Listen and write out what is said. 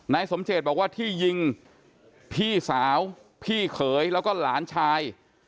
นายสมเจตบอกว่าที่ยิงพี่สาวพี่เขยแล้วก็หลานชาย